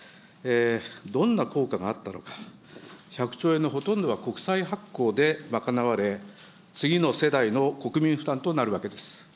どんな効果があったのか、１００兆円のほとんどが国債発行で賄われ、次の世代の国民負担となるわけです。